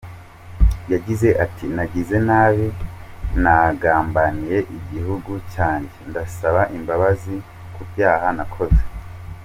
Yagize ati “Nagize nabi, nagambaniye igihugu cyanjye, ndasaba imbabazi ku byaha nakoze.